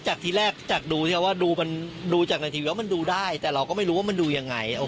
ทีแรกจากดูว่าดูมันดูจากในทีวีแล้วมันดูได้แต่เราก็ไม่รู้ว่ามันดูยังไง